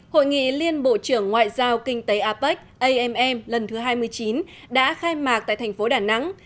hội nghị liên bộ trưởng ngoại giao kinh tế apec amm lần thứ hai mươi chín đã khai mạc tại thành phố đà nẵng